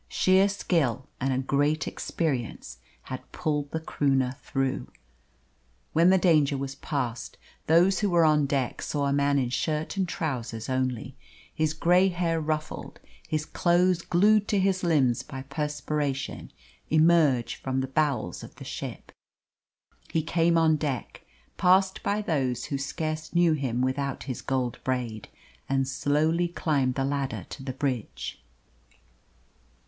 Sheer skill and a great experience had pulled the Croonah through. When the danger was past those who were on deck saw a man in shirt and trousers only, his grey hair ruffled, his clothes glued to his limbs by perspiration, emerge from the bowels of the ship. He came on deck, passed by those who scarce knew him without his gold braid, and slowly climbed the ladder to the bridge.